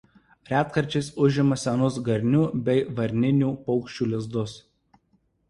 Retkarčiais užima senus garnių bei varninių paukščių lizdus.